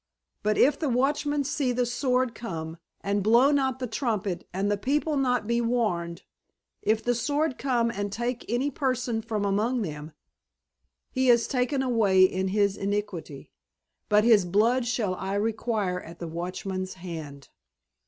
But if the watchman see the sword come, and blow not the trumpet, and the people be not warned; if the sword come and take any person from among them, he is taken away in his iniquity; but his blood shall I require at the watchman's hand!